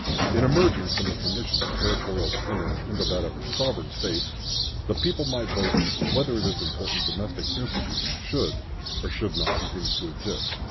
"In emerging from the condition of territorial dependence into that of a sovereign State," the people might vote "whether this important domestic institution should or should not continue to exist."